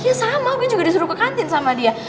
dia sama gue juga disuruh ke kantin sama dia